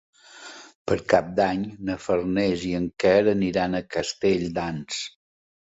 Per Cap d'Any na Farners i en Quer aniran a Castelldans.